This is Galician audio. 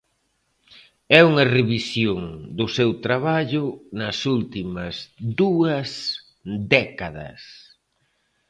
É unha revisión do seu traballo nas últimas dúas décadas.